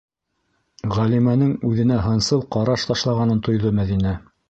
- Ғәлимәнең үҙенә һынсыл ҡараш ташлағанын тойҙо Мәҙинә.